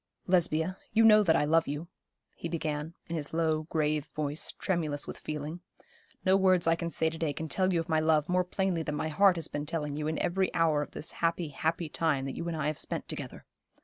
'Lesbia, you know that I love you,' he began, in his low, grave voice, tremulous with feeling. 'No words I can say to day can tell you of my love more plainly than my heart has been telling you in every hour of this happy, happy time that you and I have spent together.